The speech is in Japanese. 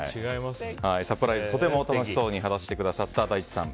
サプライズとても楽しそうに話してくださった大地さん。